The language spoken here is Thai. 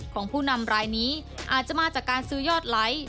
ของผู้นำรายนี้อาจจะมาจากการซื้อยอดไลค์